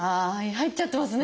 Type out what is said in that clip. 入っちゃってますね。